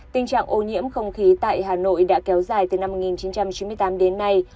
tình trạng ô nhiễm không khí tại hà nội đã kéo dài từ năm một nghìn chín trăm chín mươi tám đến nay